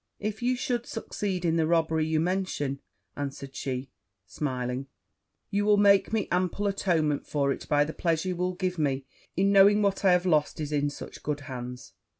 'If you should succeed in the robbery you mention,' answered she, smiling, 'you will make me ample atonement for it by the pleasure you will give me in knowing what I have lost is in such good hands.'